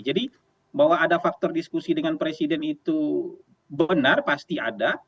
jadi bahwa ada faktor diskusi dengan presiden itu benar pasti ada